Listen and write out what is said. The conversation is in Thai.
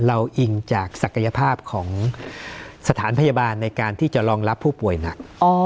อิงจากศักยภาพของสถานพยาบาลในการที่จะรองรับผู้ป่วยหนัก